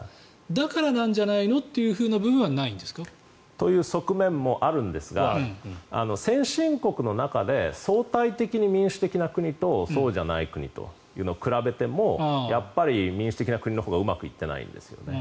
だからなんじゃないの？という部分はないんですか？という側面もあるんですが先進国の中で相対的に民主的な国とそうじゃない国を比べてもやっぱり民主主義的な国のほうがうまくいっていないんですね。